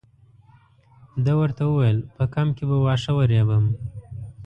ده ورته وویل په کمپ کې به واښه ورېبم.